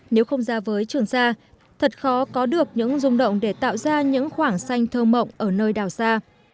nếu không ra với trường sa thật khó có được những rung động để tạo ra những khoảng xanh thơm mộng ở nơi đào xa